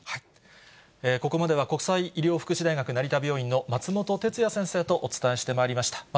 ここまでは国際医療福祉大学成田病院の松本哲哉先生と、お伝えしてまいりました。